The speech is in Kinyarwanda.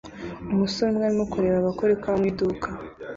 Umusore umwe arimo kureba abakora ikawa mu iduka